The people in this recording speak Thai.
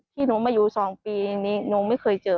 ที่มาอยู่๒ปีนี้มาให้เจอ